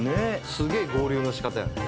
すげえ合流の仕方やね。